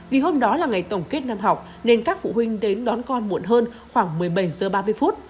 vì hôm đó là ngày tổng kết năm học nên các vụ huynh đến đón con muộn hơn khoảng một mươi bảy h ba mươi